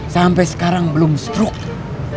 sampai sekarang belum stroke